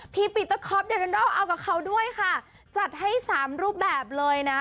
พี่พิโตคอปเดเมนโด่เอากับเขาด้วยค่ะจัดให้๓รูปแบบเลยนะ